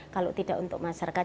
kalau tidak untuk masyarakat